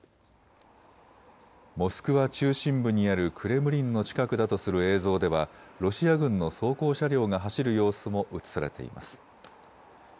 モスクワ中心部にあるクレムリンの近くだとする映像ではロシア軍の装甲車両が走る様子も映されています。